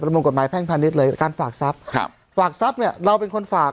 เป็นมุมกฎหมายแพ่งพันธุ์นี้เลยการฝากทรัพย์ฝากทรัพย์เนี่ยเราเป็นคนฝาก